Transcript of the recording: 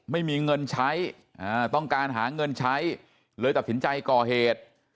ไม่มีเงินใช้ต้องการหาเงินใช้เลยตัดสินใจก่อเหตุ